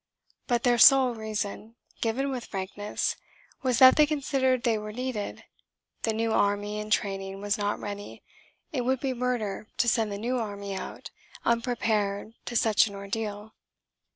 But their sole reason, given with frankness, was that they considered they were needed: the new army, in training, was not ready: it would be murder to send the new army out, unprepared, to such an ordeal.